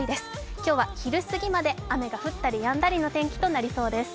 今日は昼過ぎまで雨が降ったりやんだりの天気となりそうです。